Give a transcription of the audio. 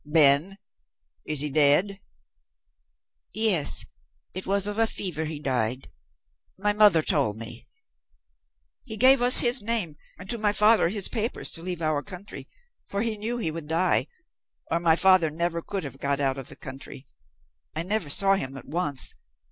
"Been? Is he dead?" "Yes. It was of a fever he died. My mother told me. He gave us his name, and to my father his papers to leave our country, for he knew he would die, or my father never could have got out of the country. I never saw him but once.